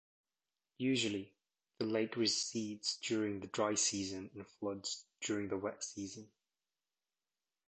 Usually, the lake recedes during the dry season and floods during the wet season.